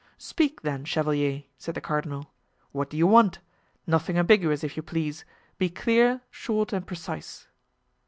"Speak, then, chevalier!" said the cardinal. "What do you want? Nothing ambiguous, if you please. Be clear, short and precise."